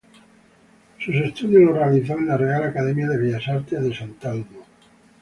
Sus estudios los realizó en la Real Academia de Bellas Artes de San Telmo.